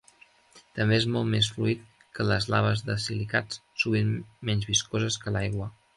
També és molt més fluid que les laves de silicats, sovint menys viscoses que l'aigua.